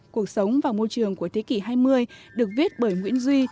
cuộc sống và môi trường của thế kỷ hai mươi được viết bởi nguyễn duy